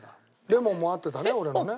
レモンも合ってたね俺のね。